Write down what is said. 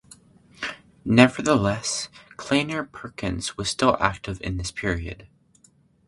Nevertheless, Kleiner Perkins was still active in this period.